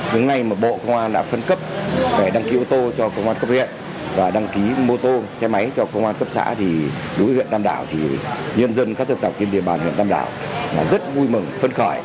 những ngày mà bộ công an đã phân cấp đăng ký ô tô cho công an cấp biển và đăng ký mô tô xe máy cho công an cấp xã thì đối với huyện tam đảo thì nhân dân các dân tộc trên địa bàn huyện tam đảo rất vui mừng phân khỏi